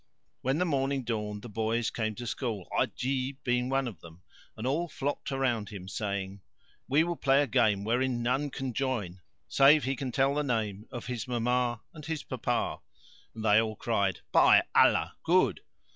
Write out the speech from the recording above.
'" When morning dawned the boys came to school, Ajib being one of them, and all flocked around him saying, "We will play a game wherein none can join save he can tell the name of his mamma and his papa." And they all cried, "By Allah, good!"